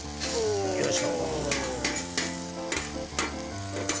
よいしょ。